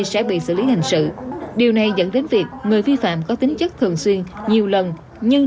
sẽ bị xử lý hình sự điều này dẫn đến việc người vi phạm có tính chất thường xuyên nhiều lần nhưng